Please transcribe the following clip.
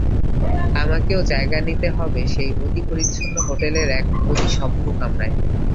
আমাকেও জায়গা নিতে হবে সেই অতিপরিচ্ছন্ন হোটেলের এক অতিসভ্য কামরায়।